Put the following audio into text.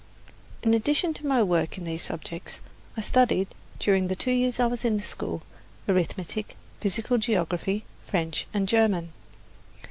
In addition to my work in these subjects, I studied, during the two years I was in the school, arithmetic, physical geography, French and German.